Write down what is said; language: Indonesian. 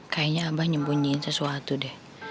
kayaknya abah nyembunyiin sesuatu deh